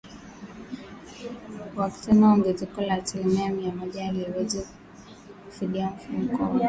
wakisema ongezeko la asilimia mia moja haliwezi hata kufidia mfumuko wa bei wa kila mwaka